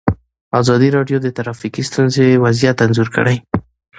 ازادي راډیو د ټرافیکي ستونزې وضعیت انځور کړی.